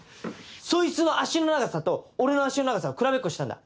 そいつの足の長さと俺の足の長さを比べっこしたんだ。